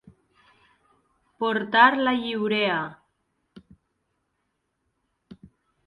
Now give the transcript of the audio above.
Portar la lliurea.